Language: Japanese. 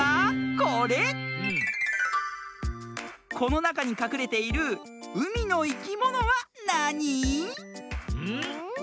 このなかにかくれている「うみのいきもの」はなに？